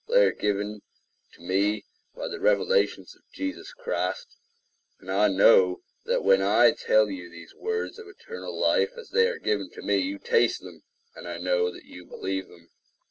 They are given to my by the revelations of Jesus Christ; and I know that when I tell you these words of eternal life as they are given to me, you taste them, and I know that you believe them.